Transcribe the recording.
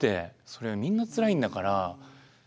それはみんなつらいんだから。